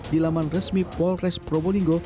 di laman resmi polres probolinggo